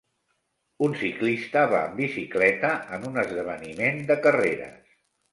Un ciclista va amb bicicleta en un esdeveniment de carreres.